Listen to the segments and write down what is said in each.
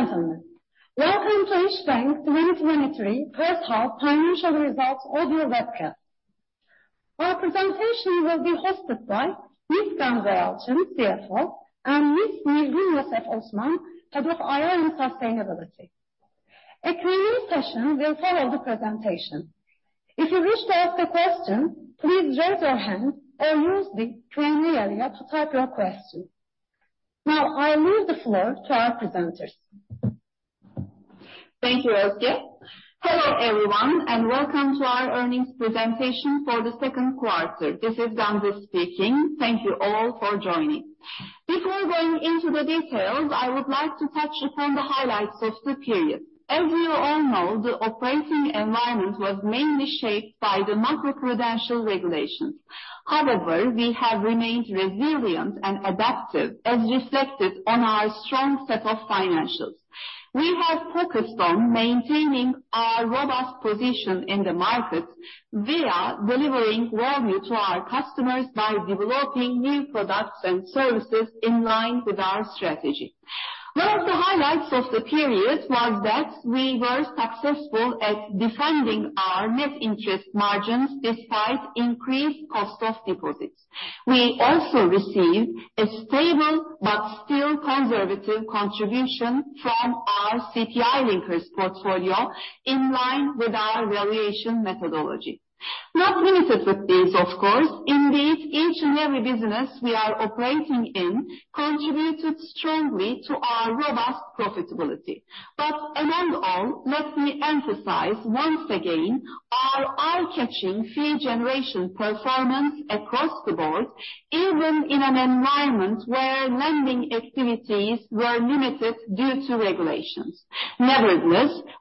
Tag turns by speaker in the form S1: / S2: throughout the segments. S1: Ladies and gentlemen, welcome to İş Bank's 2023 1st half financial results audio webcast. Our presentation will be hosted by Ms. Gamze Yalcin, CFO, and Ms. Nilgün Yosef, Head of IR and Sustainability. A Q&A session will follow the presentation. If you wish to ask a question, please raise your hand or use the Q&A area to type your question. Now, I leave the floor to our presenters.
S2: Thank you, Ozge. Hello, everyone, and welcome to our earnings presentation for the second quarter. This is Gamze speaking. Thank you all for joining. Before going into the details, I would like to touch upon the highlights of the period. As we all know, the operating environment was mainly shaped by the macroprudential regulations. However, we have remained resilient and adaptive, as reflected on our strong set of financials. We have focused on maintaining our robust position in the market via delivering value to our customers by developing new products and services in line with our strategy. One of the highlights of the period was that we were successful at defending our net interest margins despite increased cost of deposits. We also received a stable but still conservative contribution from our CPI linkers portfolio in line with our valuation methodology. Not limited with this, of course, indeed, each and every business we are operating in contributed strongly to our robust profitability. Among all, let me emphasize once again our eye-catching fee generation performance across the board, even in an environment where lending activities were limited due to regulations.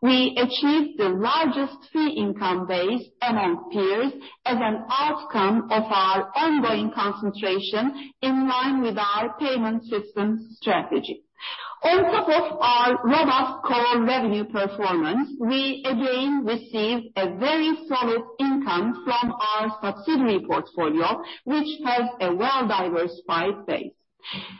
S2: We achieved the largest fee income base among peers as an outcome of our ongoing concentration in line with our payment system strategy. On top of our robust core revenue performance, we again received a very solid income from our subsidiary portfolio, which has a well-diversified base.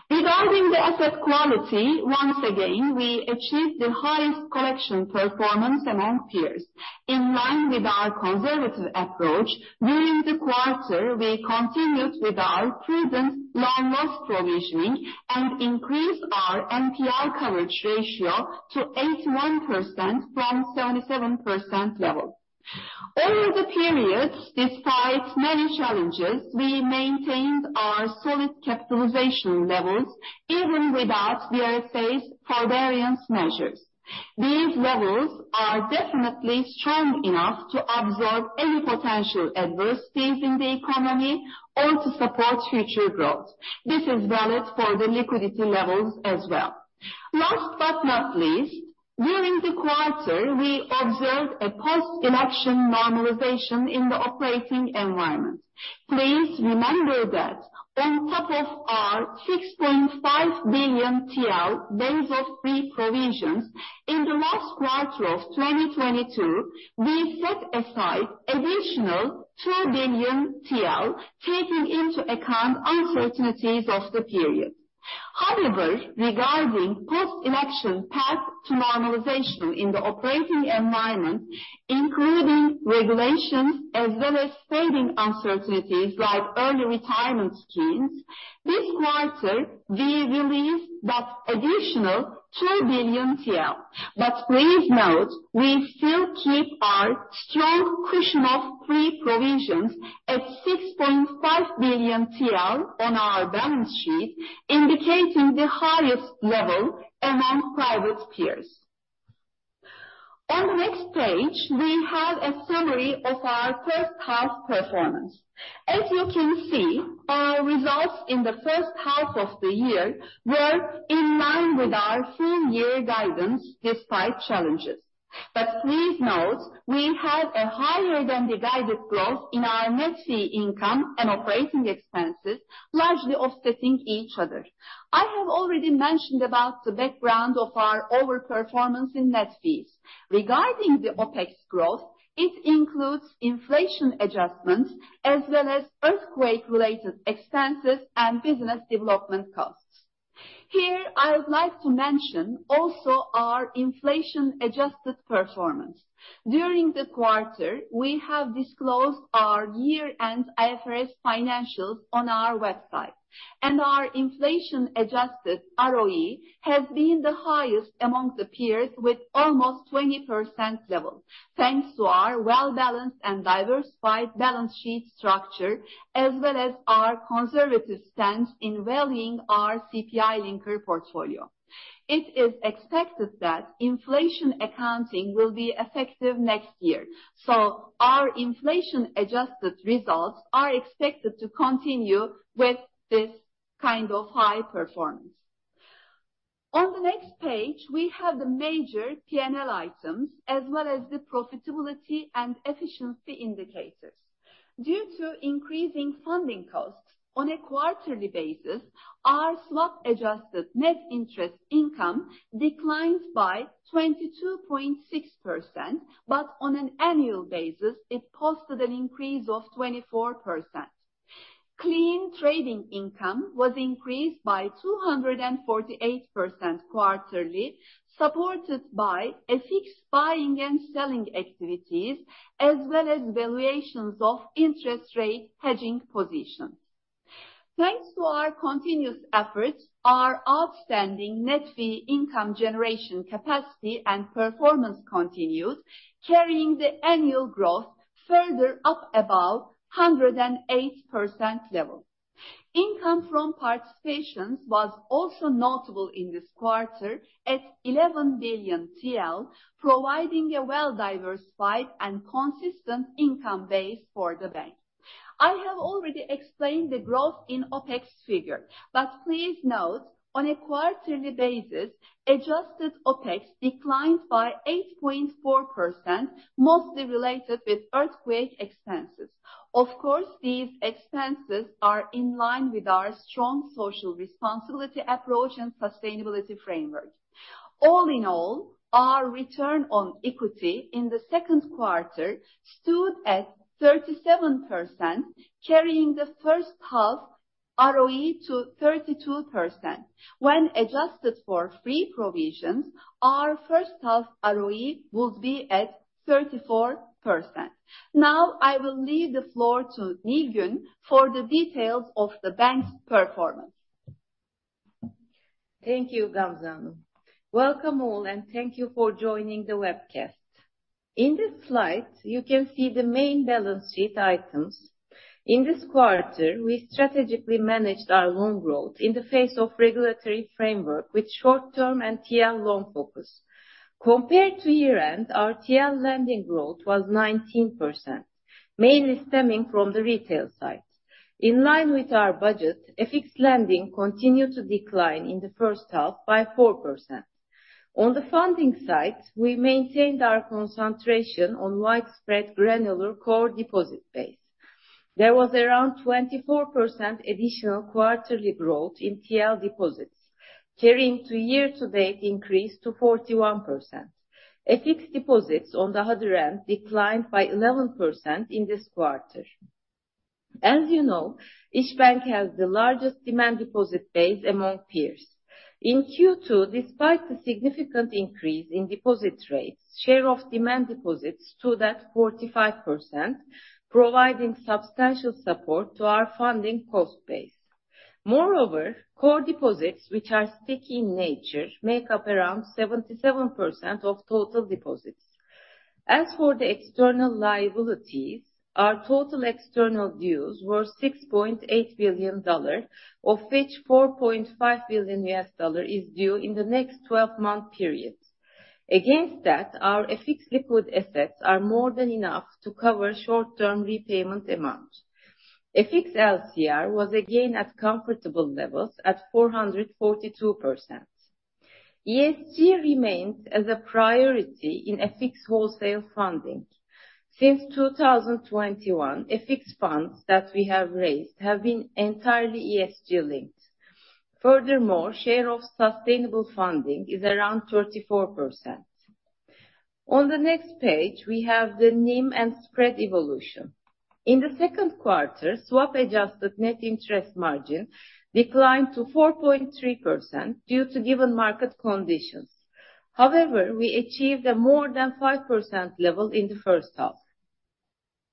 S2: Regarding the asset quality, once again, we achieved the highest collection performance among peers. In line with our conservative approach, during the quarter, we continued with our prudent loan loss provisioning and increased our NPL coverage ratio to 81% from 77% level. Over the periods, despite many challenges, we maintained our solid capitalization levels, even without the face forbearance measures. These levels are definitely strong enough to absorb any potential adversities in the economy or to support future growth. This is valid for the liquidity levels as well. Last but not least, during the quarter, we observed a post-election normalization in the operating environment. Please remember that on top of our TL 6.5 billion base of pre-provisions, in the last quarter of 2022, we set aside additional TL 2 billion, taking into account uncertainties of the period. Regarding post-election path to normalization in the operating environment, including regulations as well as saving uncertainties like early retirement schemes, this quarter we released that additional TL 2 billion. Please note, we still keep our strong cushion of pre-provisions at TL 6.5 billion on our balance sheet, indicating the highest level among private peers. On the next page, we have a summary of our first half performance. As you can see, our results in the first half of the year were in line with our full year guidance, despite challenges. Please note, we have a higher than the guided growth in our net fee income and operating expenses, largely offsetting each other. I have already mentioned about the background of our overperformance in net fees. Regarding the OpEx growth, it includes inflation adjustments as well as earthquake-related expenses and business development costs. Here, I would like to mention also our inflation-adjusted performance. During the quarter, we have disclosed our year-end IFRS financials on our website. Our inflation-adjusted ROE has been the highest among the peers, with almost 20% level, thanks to our well-balanced and diversified balance sheet structure, as well as our conservative stance in valuing our CPI linker portfolio. It is expected that inflation accounting will be effective next year, our inflation-adjusted results are expected to continue with this kind of high performance. On the next page, we have the major P&L items as well as the profitability and efficiency indicators. Due to increasing funding costs on a quarterly basis, our swap-adjusted net interest income declined by 22.6%. On an annual basis, it posted an increase of 24%. Clean trading income was increased by 248% quarterly, supported by fixed income buying and selling activities, as well as valuations of interest rate hedging positions. Thanks to our continuous efforts, our outstanding net fee income generation capacity and performance continues, carrying the annual growth further up above 108% level. Income from participations was also notable in this quarter at 11 billion TL, providing a well-diversified and consistent income base for the bank. I have already explained the growth in OpEx figure. Please note, on a quarterly basis, adjusted OpEx declined by 8.4%, mostly related with earthquake expenses. Of course, these expenses are in line with our strong social responsibility approach and sustainability framework. All in all, our return on equity in the second quarter stood at 37%, carrying the first half ROE to 32%. When adjusted for free provisions, our first half ROE will be at 34%. I will leave the floor to Nilgün for the details of the bank's performance.
S3: Thank you, Gamze. Welcome all, and thank you for joining the webcast. In this slide, you can see the main balance sheet items. In this quarter, we strategically managed our loan growth in the face of regulatory framework with short-term and TL loan focus. Compared to year-end, our TL lending growth was 19%, mainly stemming from the retail side. In line with our budget, fixed lending continued to decline in the first half by 4%. On the funding side, we maintained our concentration on widespread granular core deposit base. There was around 24% additional quarterly growth in TL deposits, carrying to year-to-date increase to 41%. Fixed deposits on the other end declined by 11% in this quarter. As you know, İş Bank has the largest demand deposit base among peers. In Q2, despite the significant increase in deposit rates, share of demand deposits stood at 45%, providing substantial support to our funding cost base. Moreover, core deposits, which are sticky in nature, make up around 77% of total deposits. As for the external liabilities, our total external dues were $6.8 billion, of which $4.5 billion is due in the next 12-month period. Against that, our fixed liquid assets are more than enough to cover short-term repayment amounts. Fixed LCR was again at comfortable levels, at 442%. ESG remains as a priority in a fixed wholesale funding. Since 2021, fixed funds that we have raised have been entirely ESG-linked. Furthermore, share of sustainable funding is around 34%. On the next page, we have the NIM and spread evolution. In the second quarter, swap-adjusted net interest margin declined to 4.3% due to given market conditions. However, we achieved a more than 5% level in the first half.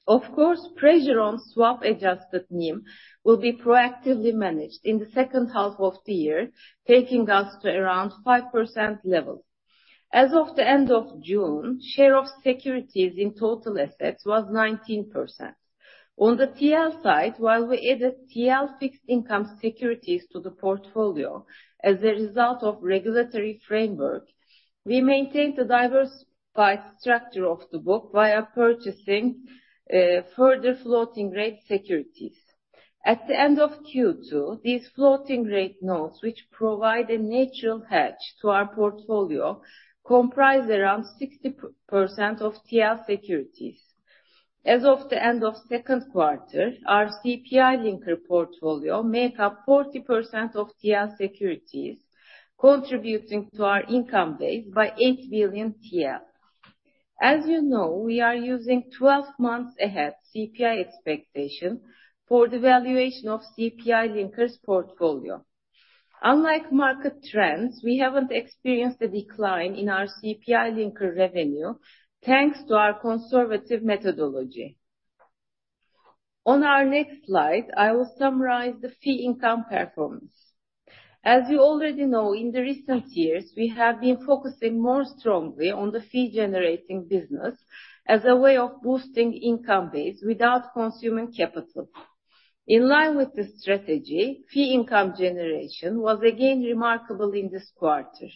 S3: Of course, pressure on swap-adjusted NIM will be proactively managed in the second half of the year, taking us to around 5% level. As of the end of June, share of securities in total assets was 19%. On the TL side, while we added TL fixed income securities to the portfolio as a result of regulatory framework, we maintained the diversified structure of the book via purchasing further floating rate securities. At the end of Q2, these floating rate notes, which provide a natural hedge to our portfolio, comprised around 60% of TL securities. As of the end of second quarter, our CPI linker portfolio make up 40% of TL securities, contributing to our income base by TL 8 billion. As you know, we are using 12 months ahead CPI expectation for the valuation of CPI linkers portfolio. Unlike market trends, we haven't experienced a decline in our CPI linker revenue, thanks to our conservative methodology. On our next slide, I will summarize the fee income performance. As you already know, in the recent years, we have been focusing more strongly on the fee-generating business as a way of boosting income base without consuming capital. In line with this strategy, fee income generation was again remarkable in this quarter.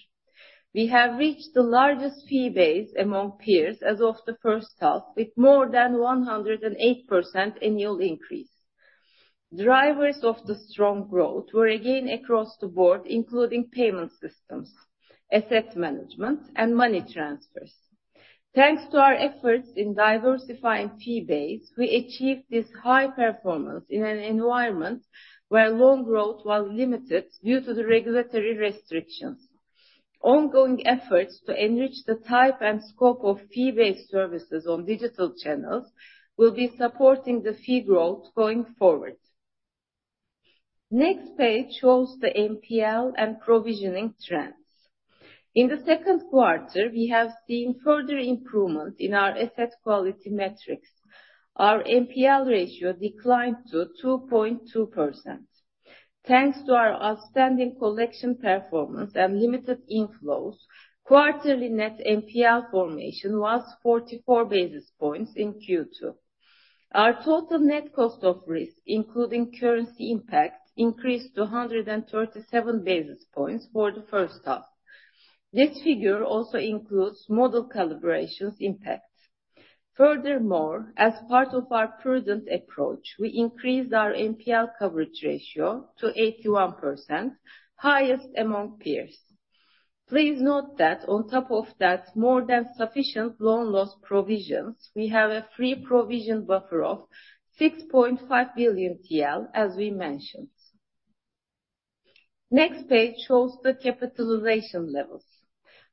S3: We have reached the largest fee base among peers as of the first half, with more than 108% annual increase. Drivers of the strong growth were again across the board, including payment systems, asset management, and money transfers. Thanks to our efforts in diversifying fee base, we achieved this high performance in an environment where loan growth was limited due to the regulatory restrictions. Ongoing efforts to enrich the type and scope of fee-based services on digital channels will be supporting the fee growth going forward. Next page shows the NPL and provisioning trends. In the second quarter, we have seen further improvement in our asset quality metrics. Our NPL ratio declined to 2.2%. Thanks to our outstanding collection performance and limited inflows, quarterly net NPL formation was 44 basis points in Q2. Our total net cost of risk, including currency impact, increased to 137 basis points for the first half. This figure also includes model calibrations impact. Furthermore, as part of our prudent approach, we increased our NPL coverage ratio to 81%, highest among peers. Please note that on top of that, more than sufficient loan loss provisions, we have a free provision buffer of TL 6.5 billion, as we mentioned. Next page shows the capitalization levels.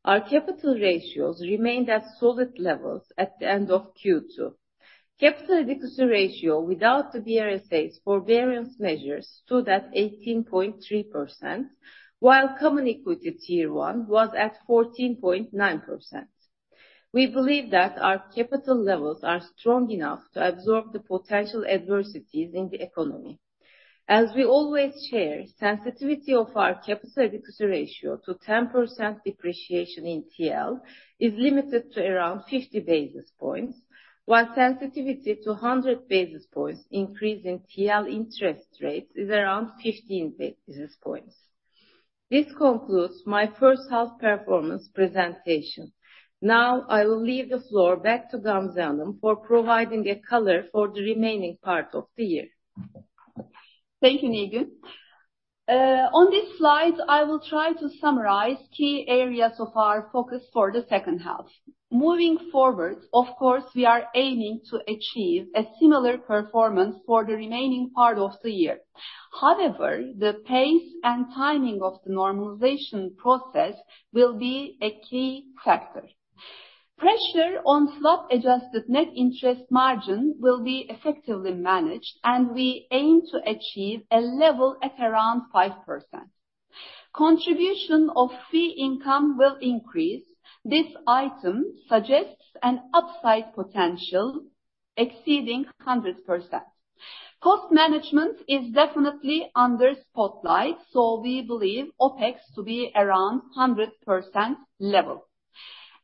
S3: Our capital ratios remained at solid levels at the end of Q2. Capital adequacy ratio without the BRSA's forbearance measures stood at 18.3%, while Common Equity Tier 1 was at 14.9%. We believe that our capital levels are strong enough to absorb the potential adversities in the economy. As we always share, sensitivity of our capital adequacy ratio to 10% depreciation in TL is limited to around 50 basis points, while sensitivity to 100 basis points increase in TL interest rate is around 15 basis points. This concludes my first half performance presentation. I will leave the floor back to Gamze for providing a color for the remaining part of the year.
S2: Thank you, Nilgün. On this slide, I will try to summarize key areas of our focus for the second half. Moving forward, of course, we are aiming to achieve a similar performance for the remaining part of the year. However, the pace and timing of the normalization process will be a key factor. Pressure on swap-adjusted net interest margin will be effectively managed, and we aim to achieve a level at around 5%. Contribution of fee income will increase. This item suggests an upside potential exceeding 100%. Cost management is definitely under spotlight, so we believe OpEx to be around 100% level.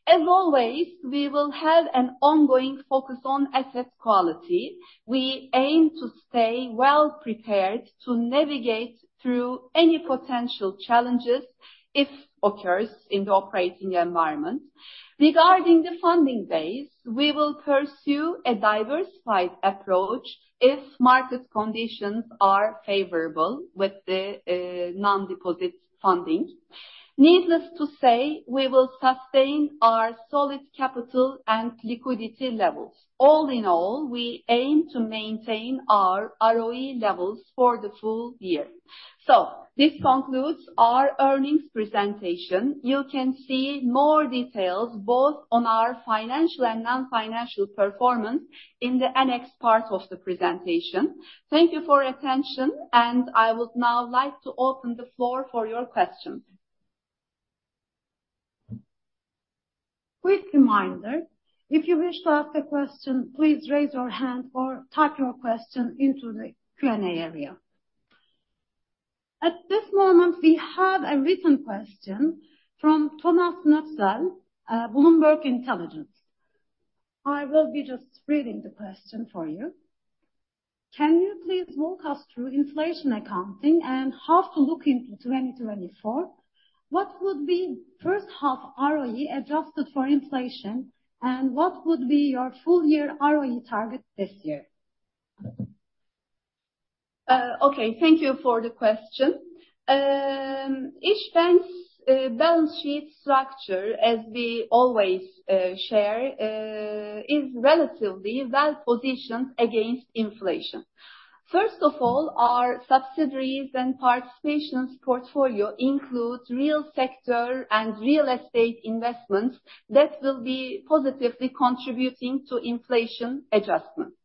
S2: As always, we will have an ongoing focus on asset quality. We aim to stay well-prepared to navigate through any potential challenges if occurs in the operating environment. Regarding the funding base, we will pursue a diversified approach if market conditions are favorable with the non-deposit funding. Needless to say, we will sustain our solid capital and liquidity levels. All in all, we aim to maintain our ROE levels for the full year. This concludes our earnings presentation. You can see more details, both on our financial and non-financial performance, in the annex part of the presentation. Thank you for your attention. I would now like to open the floor for your questions.
S3: Quick reminder, if you wish to ask a question, please raise your hand or type your question into the Q&A area. At this moment, we have a written question from Tomasz Noetzel, Bloomberg Intelligence. I will be just reading the question for you: Can you please walk us through inflation accounting and how to look into 2024? What would be first half ROE adjusted for inflation, and what would be your full year ROE target this year?
S2: Okay. Thank you for the question. İşbank's balance sheet structure, as we always share, is relatively well-positioned against inflation. First of all, our subsidiaries and participations portfolio includes real sector and real estate investments that will be positively contributing to inflation adjustment.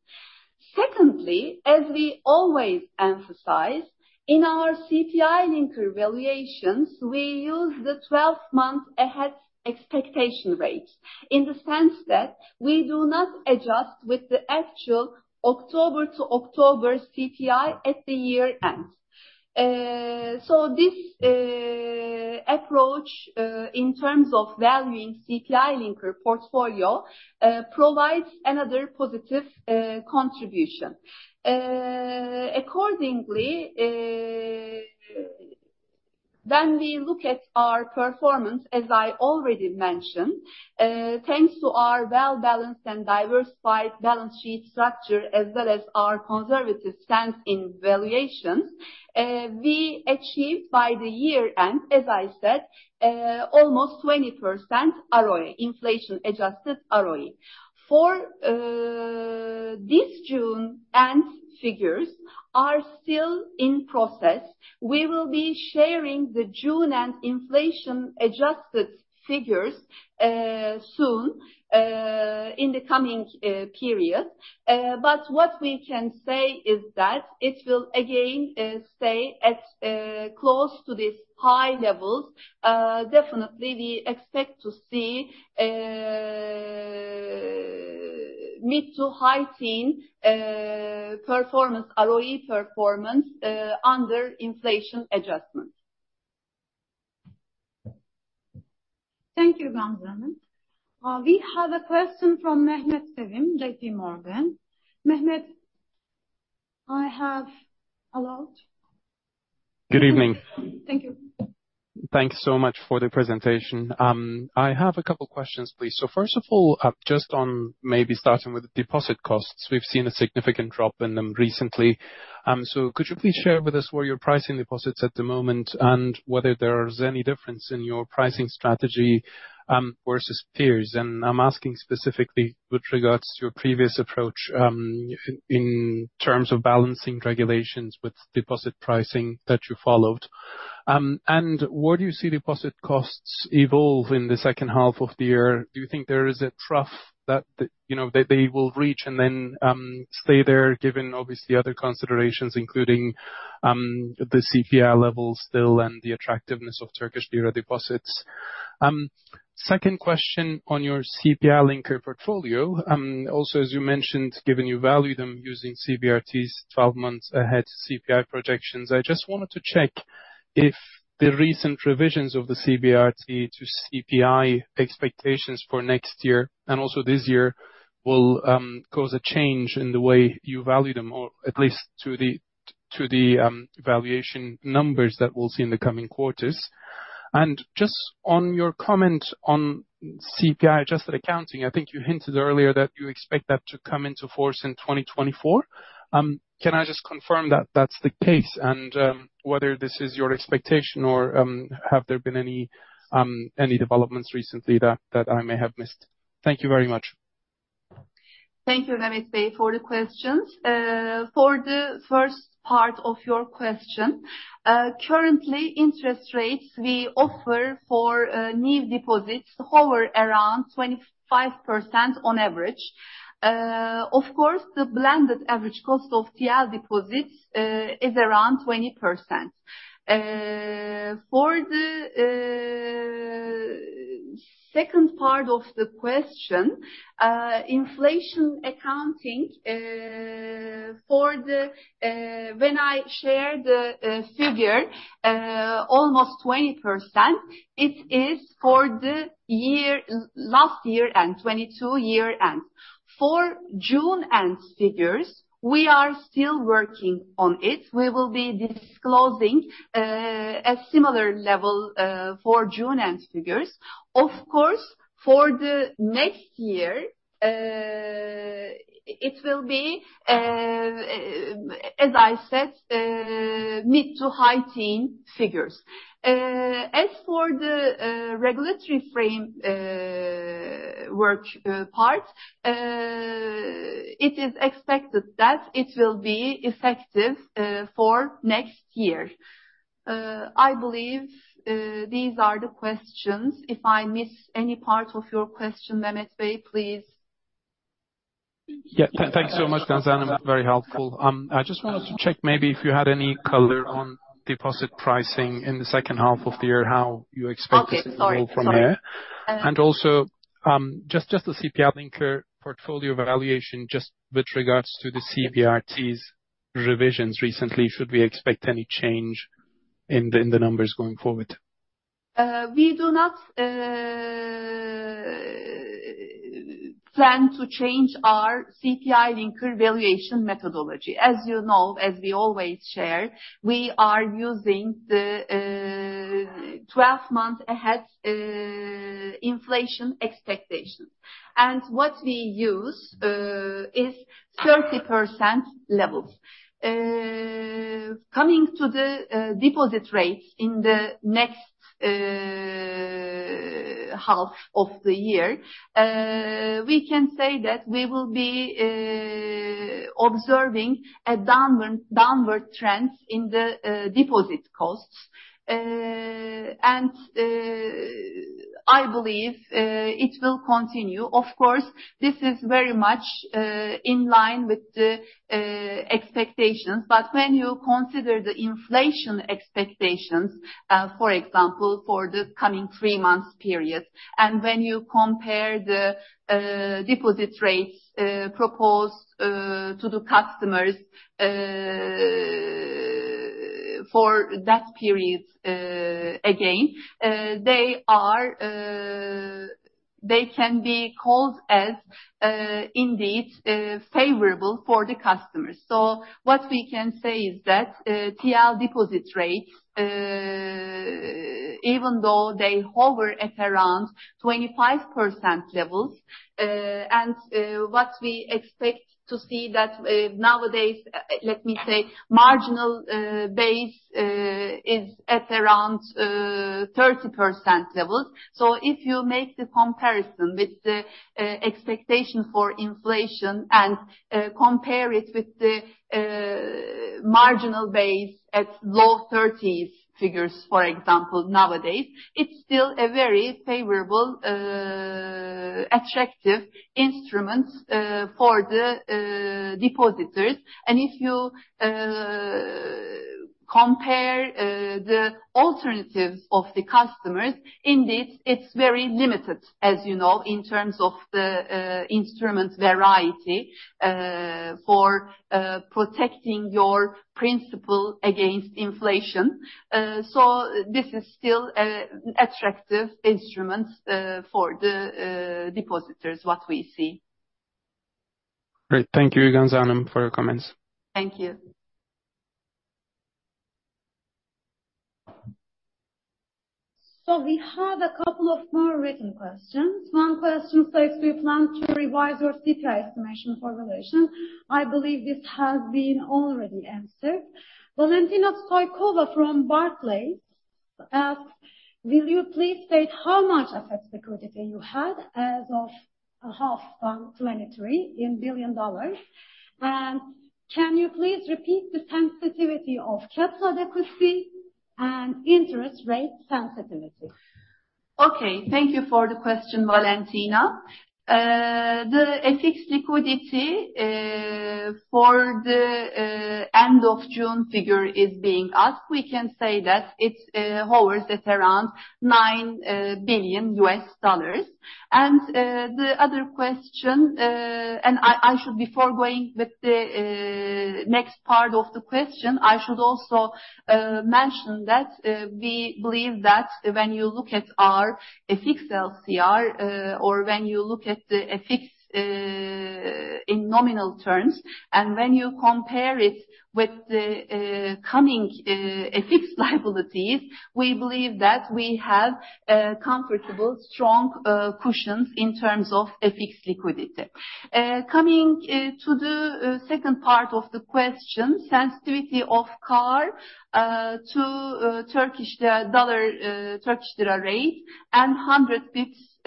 S2: Secondly, as we always emphasize, in our CPI linker valuations, we use the 12-month ahead expectation rates, in the sense that we do not adjust with the actual October to October CPI at the year-end. So this approach, in terms of valuing CPI linker portfolio, provides another positive contribution. Accordingly, when we look at our performance, as I already mentioned, thanks to our well-balanced and diversified balance sheet structure, as well as our conservative stance in valuations, we achieved by the year-end, as I said, almost 20% ROE, inflation-adjusted ROE. For this June-end figures are still in process. We will be sharing the June and inflation-adjusted figures soon in the coming period. What we can say is that it will again stay at close to these high levels. Definitely, we expect to see mid to high teen performance, ROE performance, under inflation adjustments.
S4: Thank you, Gamze. We have a question from Mehmet Sevim, J.P. Morgan. Mehmet, I have a lot.
S5: Good evening. Thanks so much for the presentation. I have a couple questions, please. First of all, just on maybe starting with the deposit costs, we've seen a significant drop in them recently. Could you please share with us where you're pricing deposits at the moment, and whether there is any difference in your pricing strategy versus peers? I'm asking specifically with regards to your previous approach in terms of balancing regulations with deposit pricing that you followed. Where do you see deposit costs evolve in the second half of the year? Do you think there is a trough that, you know, they will reach and then stay there, given obviously, other considerations, including the CPI level still and the attractiveness of Turkish lira deposits? Second question on your CPI-linked portfolio. Also, as you mentioned, given you value them using CBRT 12 months ahead CPI projections, I just wanted to check if the recent revisions of the CBRT to CPI expectations for next year and also this year will cause a change in the way you value them, or at least to the, to the, valuation numbers that we'll see in the coming quarters. Just on your comment on CPI-adjusted accounting, I think you hinted earlier that you expect that to come into force in 2024. Can I just confirm that that's the case, and whether this is your expectation or have there been any developments recently that, that I may have missed? Thank you very much.
S2: Thank you, Mehmet, for the questions. For the first part of your question, currently, interest rates we offer for new deposits hover around 25% on average. Of course, the blended average cost of TL deposits is around 20%. For the second part of the question, inflation accounting, for the when I share the figure, almost 20%, it is for the year, last year and 2022 year end. For June end figures, we are still working on it. We will be disclosing a similar level for June end figures. Of course, for the next year, it will be, as I said, mid to high teen figures. As for the regulatory frame work part, it is expected that it will be effective for next year. I believe, these are the questions. If I missed any part of your question, Mehmet, please.
S5: Yeah. Thank you so much, Gamze. Very helpful. I just wanted to check maybe if you had any color on deposit pricing in the second half of the year, how you expect?
S2: Okay. Sorry.
S5: to evolve from here.
S2: Sorry.
S5: Also, just, just the CPI linker portfolio valuation, just with regards to the CBRT's revisions recently, should we expect any change in the, in the numbers going forward?
S2: We do not plan to change our CPI linker valuation methodology. As you know, as we always share, we we are using the 12 months ahead inflation expectations. What we use is 30% levels. Coming to the deposit rates in the next half of the year, we can say that we will be observing a downward trend in the deposit costs. I believe it will continue. Of course, this is very much in line with the expectations. When you consider the inflation expectations, for example, for the coming 3-month period, and when you compare the deposit rates proposed to the customers for that period, again, they are, they can be called as indeed favorable for the customers. What we can say is that TL deposit rates, even though they hover at around 25% levels, and what we expect to see that nowadays, let me say, marginal base, is at around 30% levels. If you make the comparison with the expectation for inflation and compare it with the marginal base at low 30s figures, for example, nowadays, it's still a very favorable, attractive instrument for the depositors. If you compare the alternatives of the customers, indeed, it's very limited, as you know, in terms of the instrument variety for protecting your principal against inflation. This is still attractive instruments for the depositors, what we see.
S5: Great. Thank you, Gamze, for your comments.
S2: Thank you.
S4: We have a couple of more written questions. One question says: Do you plan to revise your CPI estimation for relation? I believe this has been already answered. Valentina Stoykova from Barclays asks: Will you please state how much FX-protected security you had as of a half term, 23, in $ billion? Can you please repeat the sensitivity of capital adequacy and interest rate sensitivity?
S2: Okay. Thank you for the question, Valentina. The FX liquidity for the end of June figure is being asked. We can say that it's hovering at around $9 billion. The other question, and before going with the next part of the question, I should also mention that we believe that when you look at our FX LCR, or when you look at the FX in nominal terms, and when you compare it with the coming FX liabilities, we believe that we have comfortable, strong cushions in terms of FX liquidity. Coming to the second part of the question, sensitivity of CAR to Turkish dollar, Turkish lira rate and 100 bits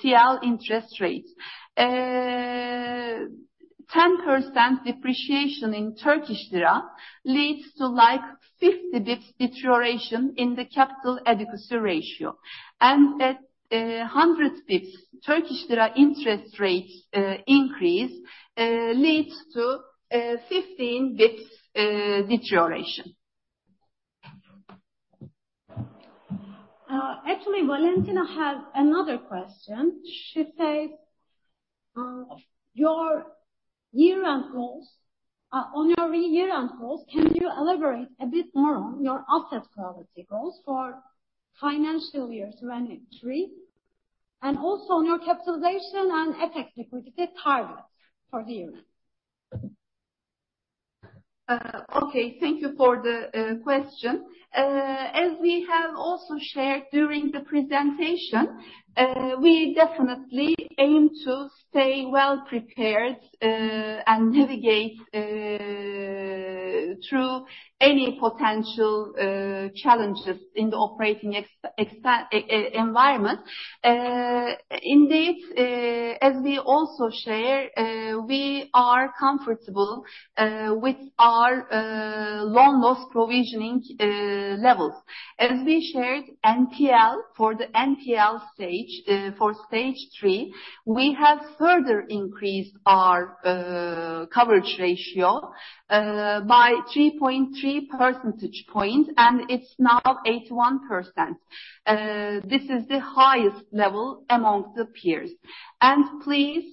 S2: TL interest rates. 10% depreciation in Turkish lira leads to, like, 50 bits deterioration in the capital adequacy ratio. At 100 bits, Turkish lira interest rates increase leads to 15 bits deterioration.
S4: Actually, Valentina has another question. She says, "Your year-end goals, on your year-end goals, can you elaborate a bit more on your asset quality goals for financial year 2023, and also on your capitalization and FX liquidity targets for the year?
S2: Okay. Thank you for the question. As we have also shared during the presentation, we definitely aim to stay well prepared and navigate through any potential challenges in the operating environment. Indeed, as we also share, we are comfortable with our loan loss provisioning levels. As we shared NPL, for the NPL stage, for stage three, we have further increased our coverage ratio by 3.3 percentage points, and it's now 81%. This is the highest level among the peers. Please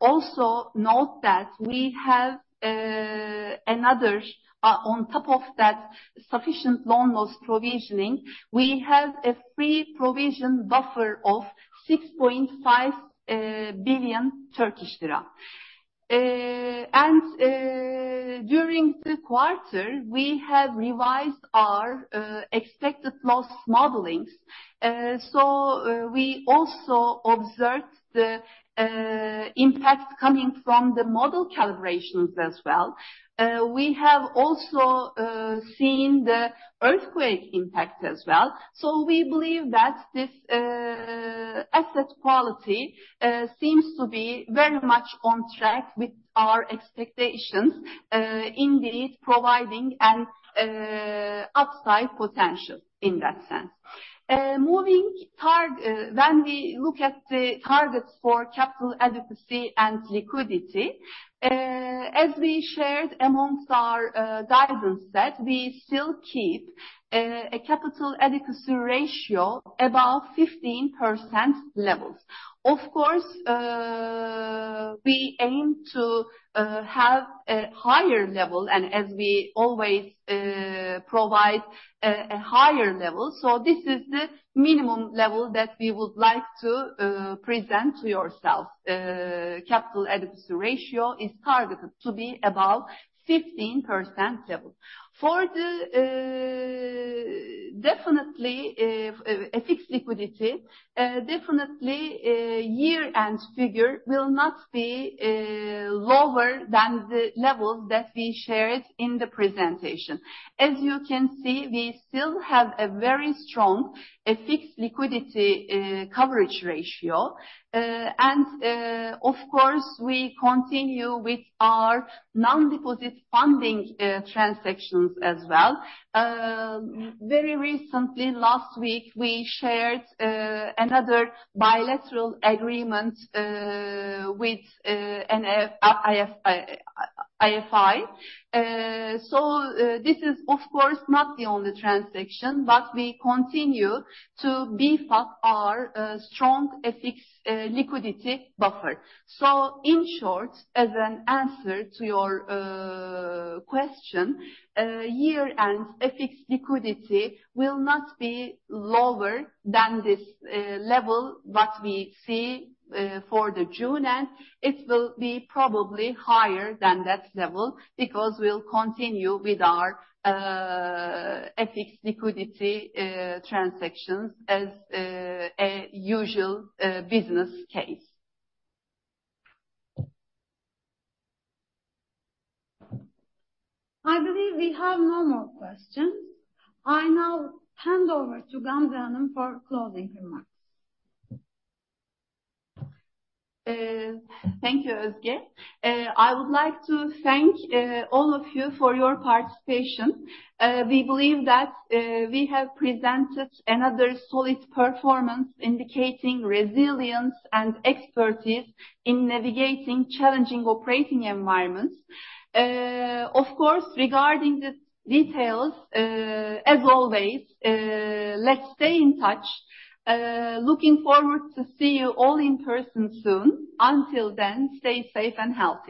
S2: also note that we have another on top of that sufficient loan loss provisioning, we have a free provision buffer of TRY 6.5 billion. During the quarter, we have revised our expected loss modelings. We also observed the impact coming from the model calibrations as well. We have also seen the earthquake impact as well. We believe that this asset quality seems to be very much on track with our expectations, indeed, providing an upside potential in that sense. When we look at the targets for capital adequacy and liquidity, as we shared amongst our guidance set, we still keep a capital adequacy ratio about 15% levels. Of course, we aim to have a higher level and as we always provide a higher level, this is the minimum level that we would like to present to yourself. Capital adequacy ratio is targeted to be above 15% level. For the definitely a fixed liquidity definitely year-end figure will not be lower than the levels that we shared in the presentation. As you can see, we still have a very strong, a fixed liquidity coverage ratio. Of course, we continue with our non-deposit funding transactions as well. Very recently, last week, we shared another bilateral agreement with an IFI. This is, of course, not the only transaction, but we continue to beef up our strong FX liquidity buffer. In short, as an answer to your question, year-end FX liquidity will not be lower than this level, what we see for the June end. It will be probably higher than that level because we'll continue with our FX liquidity transactions as a usual business case.
S4: I believe we have no more questions. I now hand over to Gamze for closing remarks.
S2: Thank you, Ozge. I would like to thank all of you for your participation. We believe that we have presented another solid performance indicating resilience and expertise in navigating challenging operating environments. Of course, regarding the details, as always, let's stay in touch. Looking forward to see you all in person soon. Until then, stay safe and healthy.